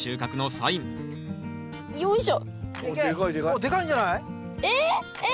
おっでかいんじゃない？え？え？え！